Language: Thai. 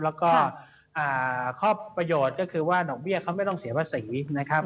แล้วก็ข้อประโยชน์ก็คือว่าดอกเบี้ยเขาไม่ต้องเสียภาษีนะครับ